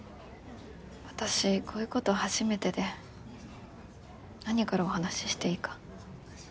私こういうこと初めてで何からお話ししていいか。